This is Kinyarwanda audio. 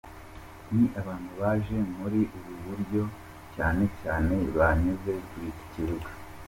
Ni abantu baje muri ubu buryo cyane cyane banyuze kuri iki kibuga.